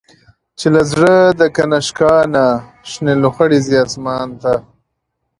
چی له زړه د”کنشکا”نه، شنی لو خړی ځی آسمان ته